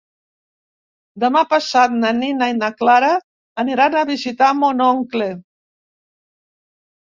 Demà passat na Nina i na Clara aniran a visitar mon oncle.